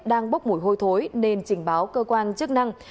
đang bốc mùi hôi thối nên trình báo cơ quan chức năng